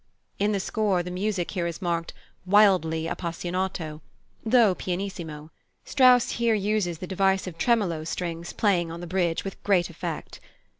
In the score the music here is marked "wildly appassionato," though pianissimo (Strauss here uses the device of tremolo strings playing on the bridge with great effect).